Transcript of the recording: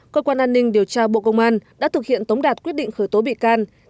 cơ quan an ninh điều tra bộ công an đã thực hiện tống đạt quyết định khởi tố bị can